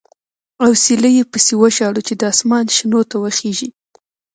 اوسیلی یې پسې وشاړه چې د اسمان شنو ته وخېژي.